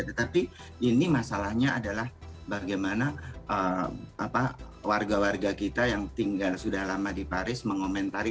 tetapi ini masalahnya adalah bagaimana warga warga kita yang tinggal sudah lama di paris mengomentari